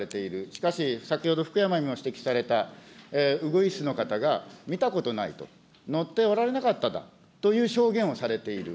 しかし、先ほど福山委員も指摘された、ウグイスの方が見たことないと、乗っておられなかっただろうという証言をされている。